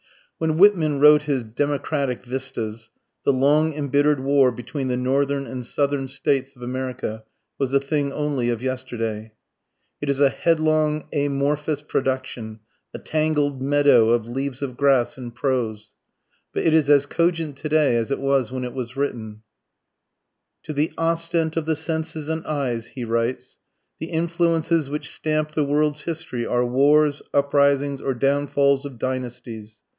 When Whitman wrote his "Democratic Vistas," the long embittered war between the Northern and Southern States of America was a thing only of yesterday. It is a headlong amorphous production a tangled meadow of "leaves of grass" in prose. But it is as cogent to day as it was when it was written: To the ostent of the senses and eyes [he writes], the influences which stamp the world's history are wars, uprisings, or downfalls of dynasties....